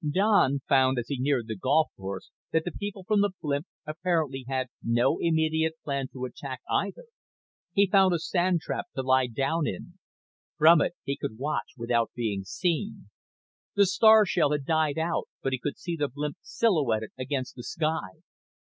Don found as he neared the golf course that the people from the blimp apparently had no immediate plan to attack, either. He found a sand trap to lie down in. From it he could watch without being seen. The star shell had died out but he could see the blimp silhouetted against the sky.